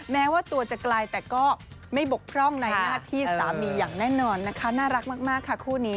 แม้ว่าตัวจะไกลแต่ก็ไม่บกพร่องในหน้าที่สามีอย่างแน่นอนนะคะน่ารักมากค่ะคู่นี้